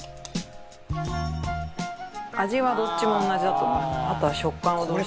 味はどっちも同じだと思う。